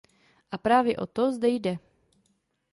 A právě o to zde jde.